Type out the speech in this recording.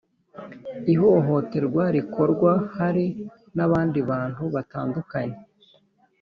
ihohoterwa rikorwa hari n’abandi bantu batandukanye